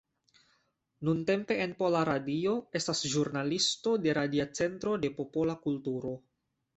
Nuntempe en Pola Radio estas ĵurnalisto de Radia Centro de Popola Kulturo.